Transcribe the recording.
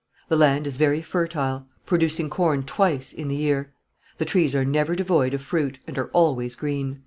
the land is very fertile, producing corn twice in the year ... the trees are never devoid of fruit and are always green."